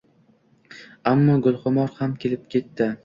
Ammo Gulxumor ham kelib ketdi